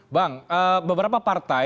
bang beberapa partai